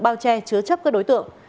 bao che chứa chấp các đối tượng